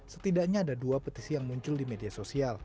setidaknya ada dua petisi yang muncul di media sosial